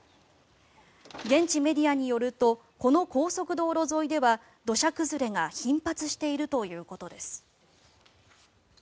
現地メディアによるとこの高速道路沿いでは土砂崩れが頻発しているということです。